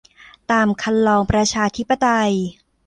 ตามครรลองประชาธิปไตย